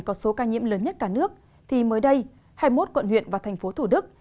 có số ca nhiễm lớn nhất cả nước thì mới đây hai mươi một quận huyện và thành phố thủ đức